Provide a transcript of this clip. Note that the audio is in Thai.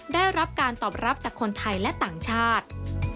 ได้รับการตอบรับจากคนไทยและต่างชาติ